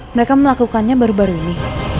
mereka melakukannya baru baru ini